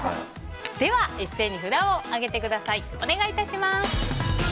では、一斉に札を上げてください。